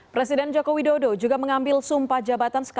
presiden joko widodo juga mengambil sumpah jabatan